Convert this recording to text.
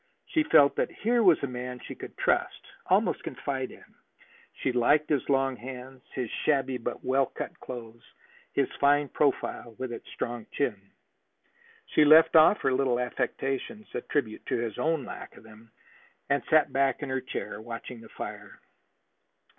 She felt that here was a man she could trust, almost confide in. She liked his long hands, his shabby but well cut clothes, his fine profile with its strong chin. She left off her little affectations, a tribute to his own lack of them, and sat back in her chair, watching the fire.